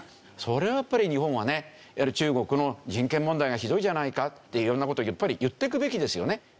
それはやっぱり日本はね中国の人権問題がひどいじゃないかって色んな事やっぱり言っていくべきですよね。